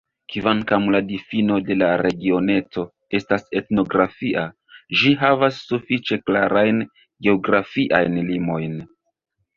Kvankam la difino de la regioneto estas etnografia, ĝi havas sufiĉe klarajn geografiajn limojn.